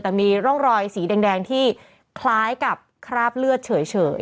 แต่มีร่องรอยสีแดงที่คล้ายกับคราบเลือดเฉย